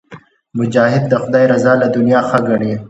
مجاهد د خدای رضا له دنیا ښه ګڼي.